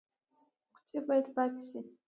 کوڅې باید پاکې شي